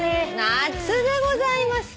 夏でございます。